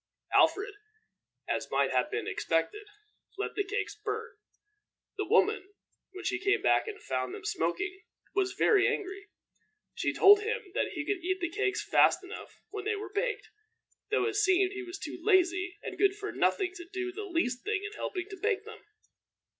Alfred, as might have been expected, let the cakes burn. The woman, when she came back and found them smoking, was very angry. She told him that he could eat the cakes fast enough when they were baked, though it seemed he was too lazy and good for nothing to do the least thing in helping to bake them.